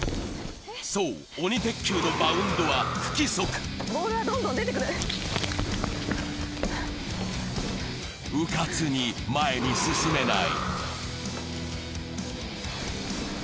そう、鬼鉄球のバウンドは不規則迂闊に前に進めない。